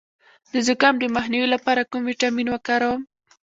د زکام د مخنیوي لپاره کوم ویټامین وکاروم؟